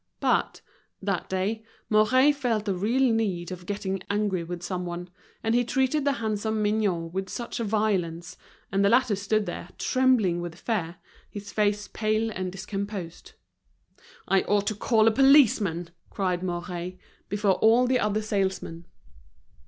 But, that day, Mouret felt a real need of getting angry with someone, and he treated the handsome Mignot with such violence, and the latter stood there trembling with fear, his face pale and discomposed. "I ought to call a policeman," cried Mouret, before all the other salesmen.